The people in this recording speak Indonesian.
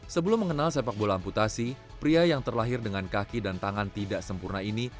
sebelum mengenal sepak bola amputasi pria yang terlahir dengan kaki dan tangan tidak sempurna ini